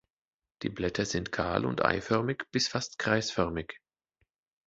Die Blätter sind kahl und eiförmig bis fast kreisförmig.